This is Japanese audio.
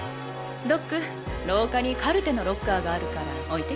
ドック廊下にカルテのロッカーがあるから置いてきて。